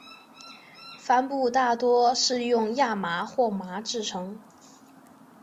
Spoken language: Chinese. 帆布大多是用亚麻或麻制成。